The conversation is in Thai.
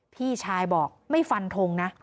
พี่ชายบอกไม่ฟันทงนะ